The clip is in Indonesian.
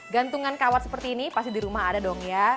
gantungan kawat seperti ini pasti di rumah ada dong ya